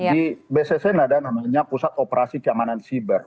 di bssn ada namanya pusat operasi keamanan siber